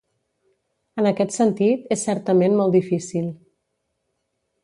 En aquest sentit, és certament molt difícil.